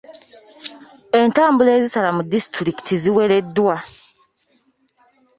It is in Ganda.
Entambula ezisala mu disitulikiti ziwereddwa.